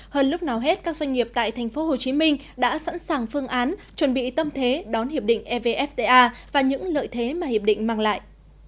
hơn lúc nào hết các doanh nghiệp tại tp hcm đã sẵn sàng phương án chuẩn bị tâm thế đón hiệp định evfta và những lợi thế mà hiệp định mang lại